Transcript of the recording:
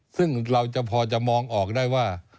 ซึ่งเราจะพอจะมองออกได้ว่า